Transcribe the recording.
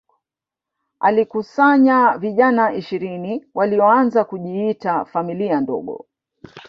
alikusanya vijana ishirini walioanza kujiita familia ndogo